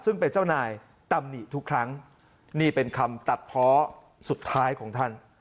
ซึ่งเป็นเจ้านายตำหนิทุกครั้งนี่เป็นคำตัดเพาะสุดท้ายของท่าน